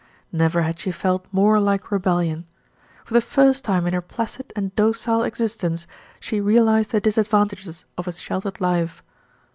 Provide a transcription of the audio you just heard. Never had she felt more like rebel lion. For the first time in her placid and docile exist ence, she realised the disadvantages of a sheltered life.